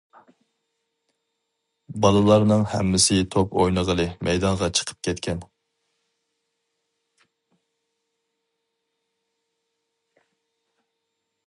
بالىلارنىڭ ھەممىسى توپ ئوينىغىلى مەيدانغا چىقىپ كەتكەن.